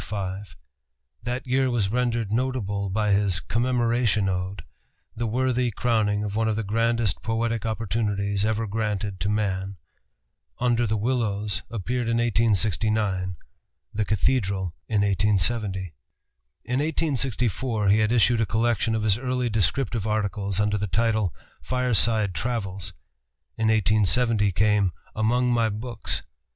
That year was rendered notable by his "Commemoration Ode," the worthy crowning of one of the grandest poetic opportunities ever granted to man. "Under the Willows" appeared in 1869; "The Cathedral" in 1870. In 1864 he had issued a collection of his early descriptive articles under the title, "Fireside Travels." In 1870 came "Among my Books."